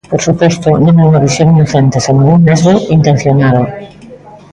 Por suposto, non é unha visión inocente, senón un nesgo intencionado.